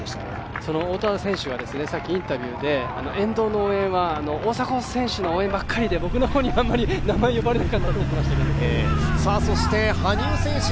その太田選手はさっきインタビューで、沿道の応援は大迫選手ばかりで僕の方にあまり名前呼ばれなかったと言ってましたけども。